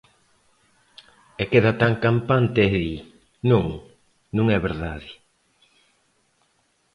E queda tan campante e di: Non, non é verdade.